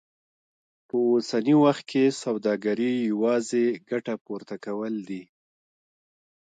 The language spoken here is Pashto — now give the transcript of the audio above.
په اوسني وخت کې سوداګري يوازې ګټه پورته کول دي.